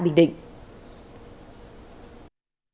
phóng viên antv